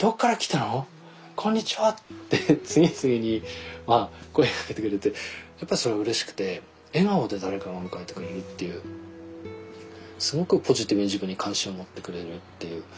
「こんにちは」って次々に声かけてくれてやっぱりそれうれしくて笑顔で誰かが迎えてくれるっていうすごくポジティブに自分に関心を持ってくれるっていう。